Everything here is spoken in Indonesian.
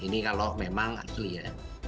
ini kalau memang asli ya